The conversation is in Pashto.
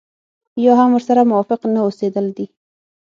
يا هم ورسره موافق نه اوسېدل دي.